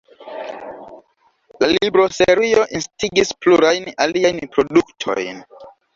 La libroserio instigis plurajn aliajn produktojn.